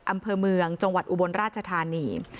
อำเภอเมืองจังหวัดอุบลราชธานี